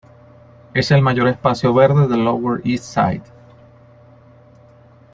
Es el mayor espacio verde de Lower East Side.